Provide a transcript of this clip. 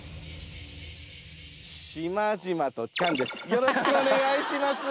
よろしくお願いします。